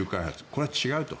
これは違うと。